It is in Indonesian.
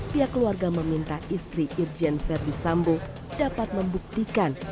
pihak keluarga meminta istri irjen ferdisambo dapat membuktikan